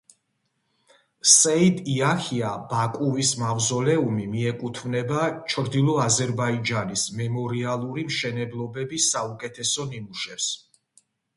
სეიდ იაჰია ბაკუვის მავზოლეუმი მიეკუთვნება ჩრდილო აზერბაიჯანის მემორიალური მშენებლობების საუკეთესო ნიმუშებს.